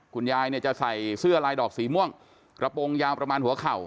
คุณยายเนี่ยจะใส่เสื้อลายดอกสีม่วงกระโปรงยาวประมาณหัวเข่า